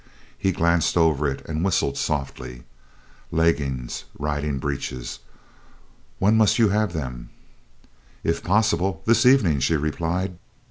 He glanced over it and whistled softly. "Leggings? Riding breeches? When must you have them?" "If possible this evening," she replied.